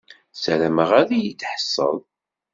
Sarameɣ ad yi-d-tḥesseḍ.